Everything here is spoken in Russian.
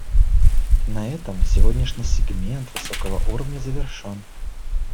На этом сегодняшний сегмент высокого уровня завершен.